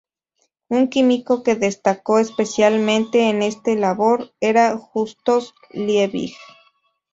Un químico que destacó especialmente en este labor era Justus Liebig.